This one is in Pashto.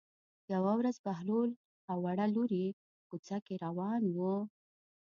یوه ورځ بهلول او وړه لور یې په کوڅه کې روان وو.